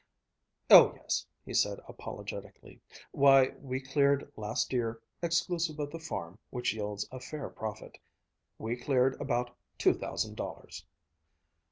"Oh yes," he said apologetically. "Why, we cleared last year (exclusive of the farm, which yields a fair profit) we cleared about two thousand dollars."